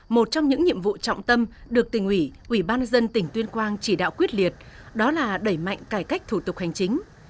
một trong những nhiệm vụ trọng tâm được tỉnh ủy ủy ban dân tỉnh tuyên quang chỉ đạo quyết liệt đó là đẩy mạnh cải cách thủ tục hành chính